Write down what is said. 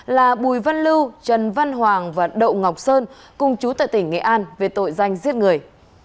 là bùi văn lưu trần văn hoàng và đậu ngọc sơn cùng chú tại tỉnh nghệ an về tội danh giết người